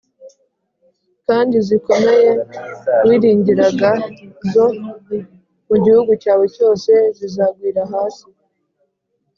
kandi zikomeye wiringiraga zo mu gihugu cyawe cyose zizagwira hasi.